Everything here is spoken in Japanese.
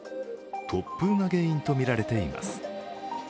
突風が原因とみられています。